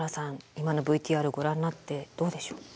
今のＶＴＲご覧になってどうでしょう？